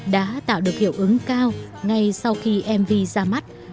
đã tạo được hiệu ứng cao ngay sau khi mv ra mắt